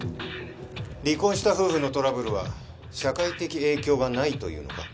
離婚した夫婦のトラブルは社会的影響がないというのか？